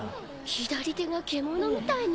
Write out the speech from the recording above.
左手が獣みたいに。